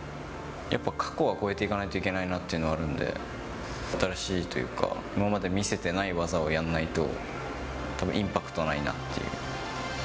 やっぱ、過去は超えていかないといけないなと思うんで、新しいというか、今まで見せてない技をやんないと、たぶんインパクトないなって。